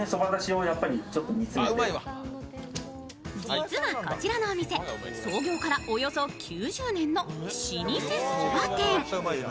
実はこちらのお店、創業からおよそ９０年の老舗そば店。